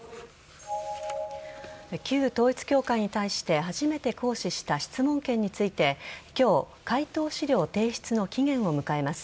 旧統一教会に対して初めて行使した質問権について今日回答資料提出の期限を迎えます。